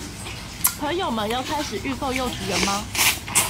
朋友們要開始預購柚子了嗎？